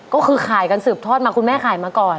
ก็คือขายกันสืบทอดมาคุณแม่ขายมาก่อน